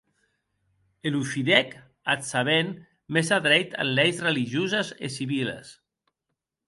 E lo fidèc ath sabent mès adreit en leis religioses e civiles.